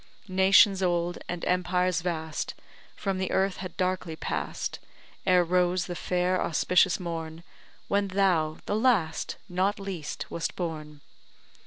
Nations old, and empires vast, From the earth had darkly pass'd Ere rose the fair auspicious morn When thou, the last, not least, wast born.